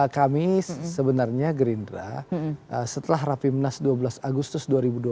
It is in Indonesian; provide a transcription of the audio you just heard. kami sebenarnya gerindra setelah rapimnas dua belas agustus dua ribu dua puluh